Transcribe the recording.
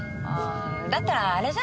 だったらあれじゃない？